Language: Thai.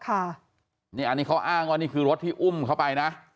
อันนี้เขาอ้างว่านี่คือรถที่อุ้มเขาไปนะ